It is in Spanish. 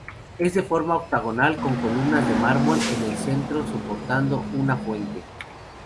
Es de forma octogonal, con columnas de mármol en el centro soportando una fuente.